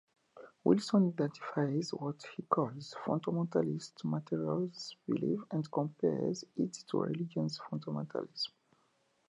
Wilson identifies what he calls "Fundamentalist Materialism" belief and compares it to religious fundamentalism.